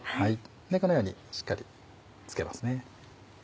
このようにしっかり付けますね。